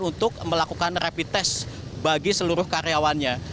untuk melakukan rapid test bagi seluruh karyawannya